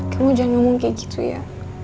kamu jangan ngomong kayak gitu ya